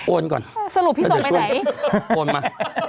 โอนก่อนด้วยช่วงโอนมา